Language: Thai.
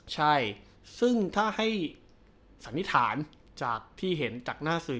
ใช่ซึ่งถ้าให้สันนิษฐานจากที่เห็นจากหน้าสื่อ